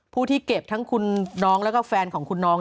ผู้ที่เก็บทั้งคุณน้องแล้วก็แฟนของคุณน้อง